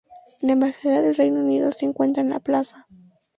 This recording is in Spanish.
La Embajada del Reino Unido se encuentra en la plaza.